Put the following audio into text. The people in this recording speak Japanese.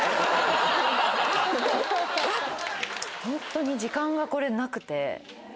ホントに時間がこれなくて。